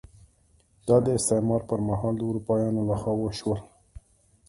دا د استعمار پر مهال د اروپایانو لخوا وشول.